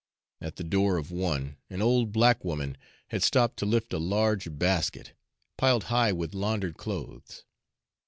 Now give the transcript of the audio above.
At the door of one, an old black woman had stooped to lift a large basket, piled high with laundered clothes.